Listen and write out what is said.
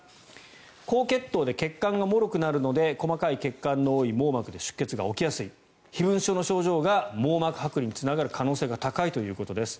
高血糖で血管がもろくなるので細かい血管の多い網膜で出血が起きやすい飛蚊症の症状が網膜はく離につながる可能性が高いということです。